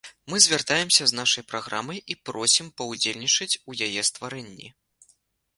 Мы звяртаемся з нашай праграмай і просім паўдзельнічаць у яе стварэнні.